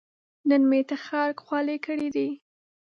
نن مې تخرګ خولې کړې دي